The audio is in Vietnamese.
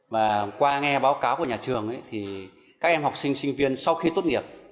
và qua nghe báo cáo của nhà trường thì các em học sinh sinh viên sau khi tốt nghiệp